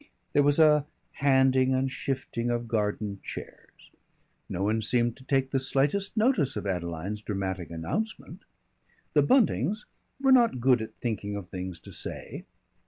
There was a handing and shifting of garden chairs. No one seemed to take the slightest notice of Adeline's dramatic announcement. The Buntings were not good at thinking of things to say.